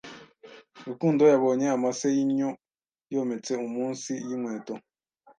Rukundo yabonye amase yinyo yometse munsi yinkweto.